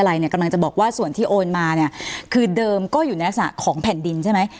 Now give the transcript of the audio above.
เนี่ยกำลังจะบอกว่าส่วนที่โอนมาเนี่ยคือเดิมก็อยู่ในลักษณะของแผ่นดินใช่ไหม